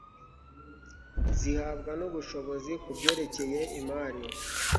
zihabwa n'ubushobozi ku byerekeye imari